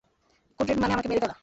Code red মানে আমাকে মেরে ফেলা?